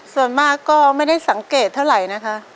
ส่วนมากก็ไม่ได้สังเกตเท่าไหร่นะคะ